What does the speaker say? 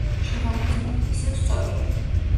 შევამოწმოთ. ისევ სწორია.